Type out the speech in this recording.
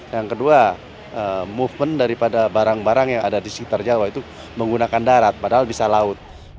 yang kedua movement daripada barang barang yang ada di sekitar jawa itu menggunakan darat padahal bisa laut